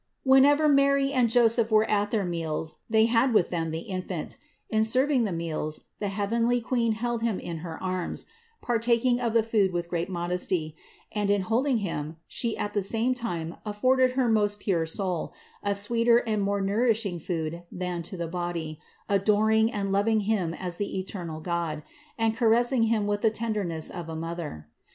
Whenever Mary and Joseph were 566 CITY OF GOD at their meals they had with them the Infant; in serving the meals, the heavenly Queen held Him in her arms, partaking of the food with great modesty and, in holding Him, She at the same time afforded her most pure soul a sweeter and more nourishing food than to the body, adoring and loving Him as the eternal God, and caressing Him with the tenderness of a Mother.